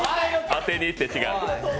当てにいって違う。